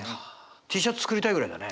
Ｔシャツ作りたいぐらいだね。